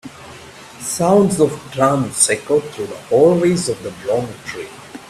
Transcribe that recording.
Sounds of drums echoed through the hallways of the dormitory.